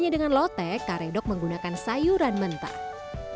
beda dengan lotte karedo menggunakan kacang tanah sangrai